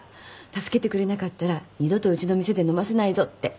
助けてくれなかったら二度とウチの店で飲ませないぞって。